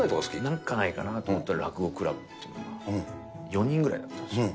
なんかないかなと思ったら落語クラブって、４人ぐらいだったんですよ。